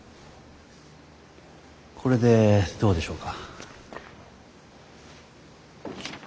これでどうでしょうか？